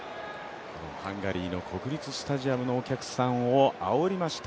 ハンガリーの国立スタジアムのお客さんをあおりました。